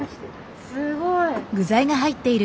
すごい。